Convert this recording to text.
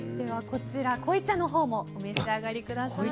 こちら、濃茶のほうもお召し上がりください。